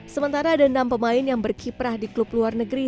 sementara ada enam pemain yang berkiprah di klub luar negeri